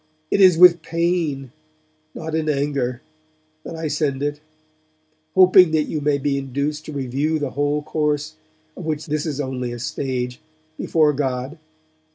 It is with pain, not in anger, that I send it; hoping that you may be induced to review the whole course, of which this is only a stage, before God.